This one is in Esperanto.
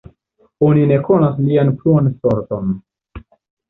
Oni ne konas lian pluan sorton.